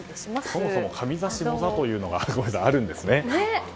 そもそも上座、下座というのがあるんですね。